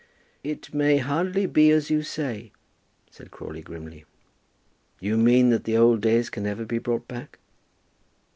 "It may hardly be as you say," said Crawley, grimly. "You mean that the old days can never be brought back?"